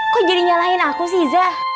kok jadi nyalahin aku sih zah